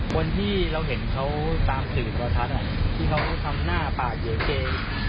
คนที่เราเห็นเขาตามสื่อตัวทัศน์อ่ะที่เขาทำหน้าปากเยอะเกย์